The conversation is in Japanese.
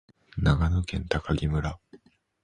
長野県喬木村